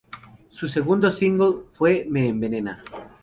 Su segundo single fue ""Me envenena"".